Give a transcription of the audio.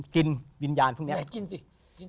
กินวิญญาณพวกนี้